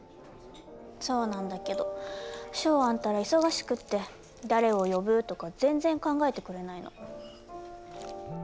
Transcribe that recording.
そうなんだけどショウアンったら忙しくって誰を呼ぶとか全然考えてくれないの。